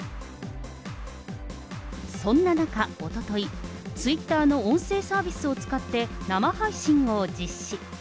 そんな中、おととい、ツイッターの音声サービスを使って、生配信を実施。